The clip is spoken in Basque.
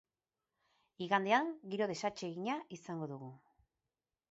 Igandean giro desatsegina izango dugu.